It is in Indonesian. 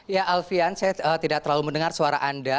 ya alfian saya tidak terlalu mendengar suara anda